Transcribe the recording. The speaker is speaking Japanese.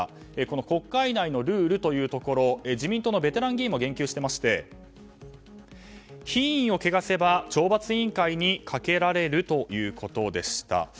国会内のルールというところは自民党のベテラン議員も言及してまして、品位を汚せば懲罰委員会にかけられるということでした。